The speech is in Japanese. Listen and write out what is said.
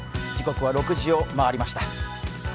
時刻は６時を回りました。